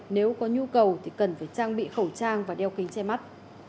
nếu có nhu cầu thì cần phải trang bị khẩu trang và đeo kính che mắt